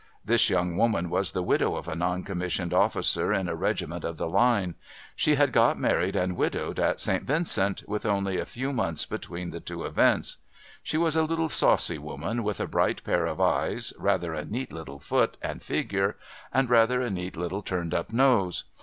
This young woman was the widow of a non commissioned officer in a regiment of the line. She had got married and widowed at St. \'incent, with only a few months between the two events. She was MRS. BELLTOTT 149 a little saucy woman, with a bright pair of eyes, rather a neat little foot and figure, and rather a neat little turned up nose.